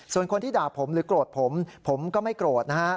ส่วนคนที่ด่าผมหรือโกรธผมผมก็ไม่โกรธนะฮะ